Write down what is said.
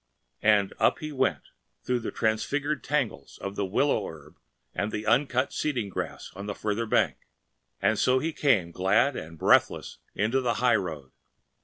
And up he went through the transfigured tangles of the willow herb and the uncut seeding grass of the farther bank. And so he came glad and breathless into the highroad.